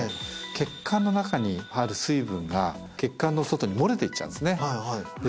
血管の中にある水分が血管の外に漏れていっちゃうんですねで